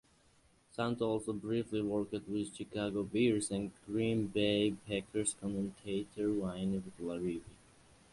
Santo also briefly worked with Chicago Bears and Green Bay Packers commentator Wayne Larrivee.